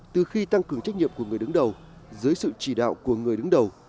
từ khi tăng cường trách nhiệm của người đứng đầu dưới sự chỉ đạo của người đứng đầu